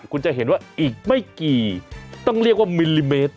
คุณจะเห็นว่าอีกไม่กี่ต้องเรียกว่ามิลลิเมตร